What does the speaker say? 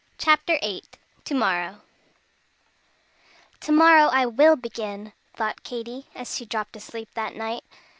CHAPTER VIII TO MORROW "To morrow I will begin," thought Katy, as she dropped asleep that night.